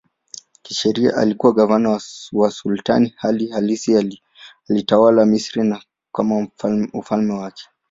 Kisheria alikuwa gavana wa sultani, hali halisi alitawala Misri kama ufalme wake.